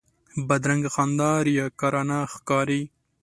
بدرنګه خندا ریاکارانه ښکاري